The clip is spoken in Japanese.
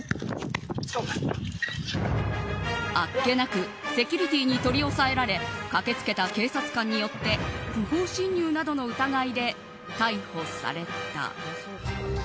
あっけなくセキュリティーに取り押さえられ駆けつけた警察官によって不法侵入などの疑いで逮捕された。